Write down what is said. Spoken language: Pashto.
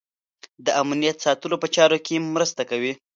د امنیت ساتلو په چارو کې مرسته کوي.